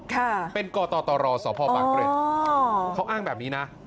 ค่ะเป็นกรตอตรอส่อพ่อบังเกร็ดเขาอ้างแบบนี้นะ